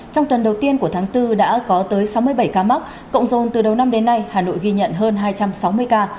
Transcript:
trong tuần đầu tiên của tháng bốn đã có tới sáu mươi bảy ca mắc cộng dồn từ đầu năm đến nay hà nội ghi nhận hơn hai trăm sáu mươi ca